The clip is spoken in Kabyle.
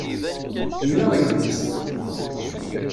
Nneɣ yedlisen-a